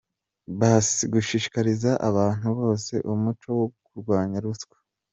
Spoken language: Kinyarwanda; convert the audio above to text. b. Gushishikariza abantu bose umuco wo kurwanya ruswa ;